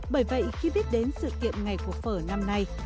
bởi vậy khi biết đến sự kiện ngày của phở năm nay